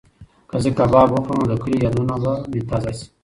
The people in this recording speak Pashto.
که زه کباب وخورم نو د کلي یادونه به مې تازه شي.